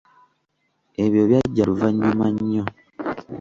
Ebyo byajja luvannyuma nnyo.